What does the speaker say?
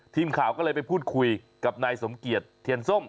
ทีมข่าวก็เลยไปพูดคุยกับนายสมเกียจเทียนส้ม